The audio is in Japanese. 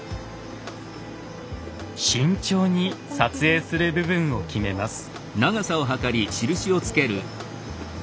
慎重に撮影する部分を決めます。